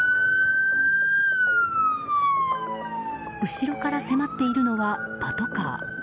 後ろから迫っているのはパトカー。